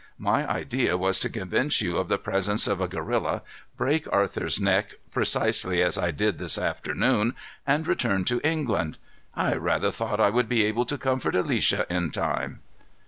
My idea was to convince you of the presence of a gorilla, break Arthur's neck precisely as I did this afternoon, and return to England. I rather thought I would be able to comfort Alicia, in time."